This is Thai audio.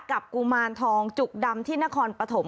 กับกุมารทองจุดำทินคอนปฐม